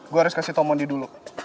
gue harus kasih tau mondi dulu